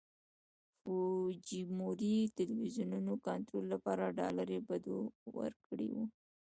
فوجیموري د ټلویزیونونو کنټرول لپاره ډالرو بډو ورکړي وو.